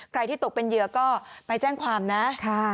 ใครที่ตกเป็นเหยื่อก็ไปแจ้งความนะ